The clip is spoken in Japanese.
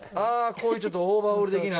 こういうちょっとオーバーオール的な？